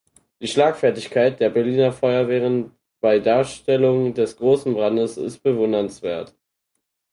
Die Schlagfertigkeit der Berliner Feuerwehren bei Darstellung des großen Brandes ist bewundernswert.